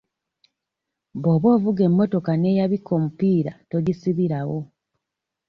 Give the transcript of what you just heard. Bw'oba ovuga emmotoka n'eyabika omupiira togisibirawo.